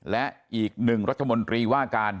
และอีกหนึ่งรัฐมนตรีว่าการ